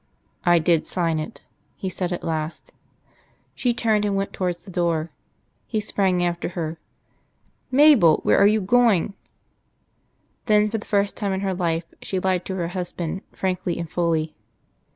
"I did sign it," he said at last. She turned and went towards the door. He sprang after her. "Mabel, where are you going?" Then, for the first time in her life, she lied to her husband frankly and fully.